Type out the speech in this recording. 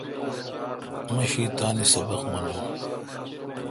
مہ شی تان سبق منون۔